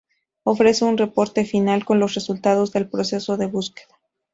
Ofrece un Reporte Final con los resultados del proceso de búsqueda.